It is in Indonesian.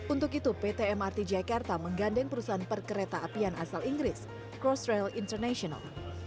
untuk itu pt mrt jakarta menggandeng perusahaan perkereta apian asal inggris cross rail international